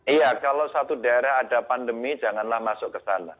iya kalau satu daerah ada pandemi janganlah masuk ke sana